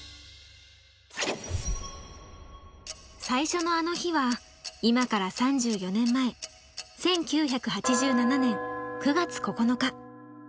最初の「あの日」は今から３４年前１９８７年９月９日。